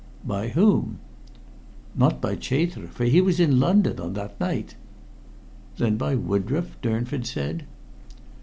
"By whom?" "Not by Chater, for he was in London on that night." "Then by Woodroffe?" Durnford said.